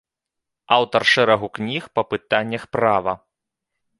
Аўтар шэрагу кніг па пытаннях права.